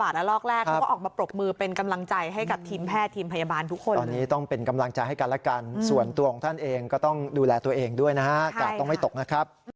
สู้นะครับสู้นะครับ